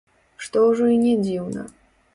Што ўжо і не дзіўна.